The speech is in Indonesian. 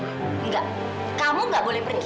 enggak kamu nggak boleh pergi